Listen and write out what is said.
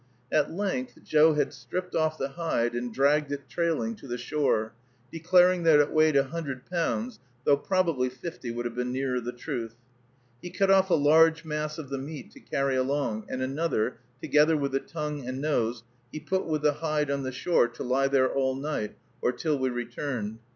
At length Joe had stripped off the hide and dragged it trailing to the shore, declaring that it weighed a hundred pounds, though probably fifty would have been nearer the truth. He cut off a large mass of the meat to carry along, and another, together with the tongue and nose, he put with the hide on the shore to lie there all night, or till we returned.